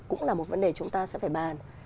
cũng là một vấn đề chúng ta sẽ phải bàn